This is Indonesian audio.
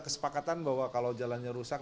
kesepakatan bahwa kalau jalannya rusak